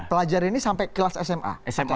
pelajar ini sampai kelas sma atau smk